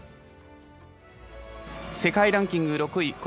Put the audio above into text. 世界ランキング６位。